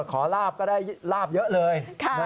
ขอลาบก็ได้ลาบเยอะเลย